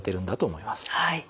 はい。